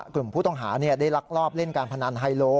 กลุ่มผู้ต้องหาได้ลักลอบเล่นการพนันไฮโล